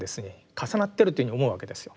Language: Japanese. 重なってるというふうに思うわけですよ。